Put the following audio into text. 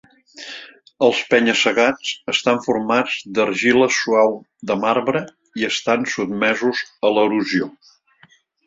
Els penya-segats estan formats d'argila suau de marbre i estan sotmesos a l'erosió.